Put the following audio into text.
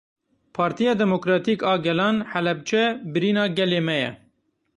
Partiya Demokratîk a Gelan; Helebce birîna gelê me ye.